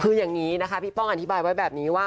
คืออย่างนี้นะคะพี่ป้องอธิบายไว้แบบนี้ว่า